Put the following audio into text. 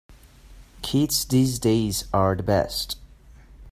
Kids these days are the best.